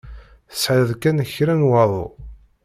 Tesɛiḍ kan kra n waḍu.